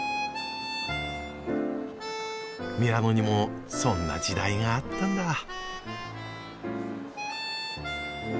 ミラノにもそんな時代があったんだ。